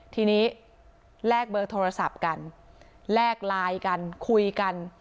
ทีนี้แลกเบอร์โทรศัพท์กันแลกไลน์กันคุยกัน